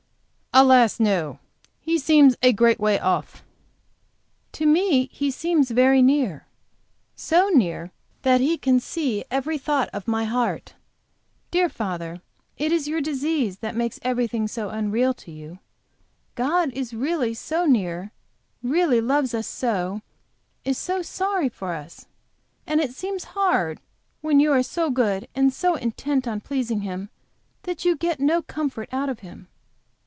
"Alas, no. He seems a great way off." "To me He seems very near. So near that He can see every thought of my heart. Dear father, it is your disease that makes everything so unreal to you. God is really so near, really loves us so; is so sorry for us! And it seems hard, when you are so good, and so intent on pleasing Him, that you get no comfort out of Him."